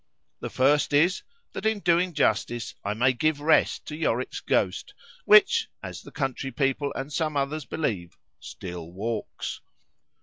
The first is, That in doing justice, I may give rest to Yorick's ghost;——which—as the country people, and some others believe,——_still walks.